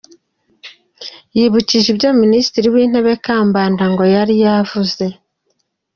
Yibukije ibyo Minisitiri w’Intebe Kambanda ngo yari yaravuze.